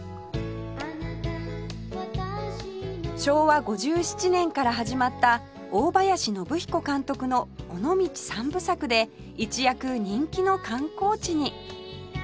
昭和５７年から始まった大林宣彦監督の「尾道三部作」で一躍人気の観光地に